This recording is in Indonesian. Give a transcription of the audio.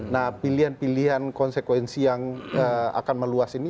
nah pilihan pilihan konsekuensi yang akan meluas ini